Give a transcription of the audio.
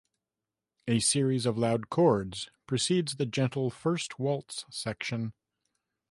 A series of loud chords precedes the gentle first waltz section.